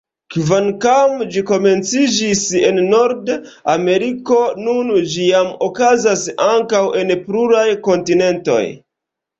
Kvankam ĝi komenciĝis en Nord-Ameriko, nun ĝi jam okazas ankaŭ en pluraj kontinentoj.